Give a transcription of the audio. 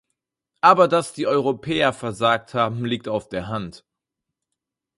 Aber dass die Europäer versagt haben, liegt auf der Hand!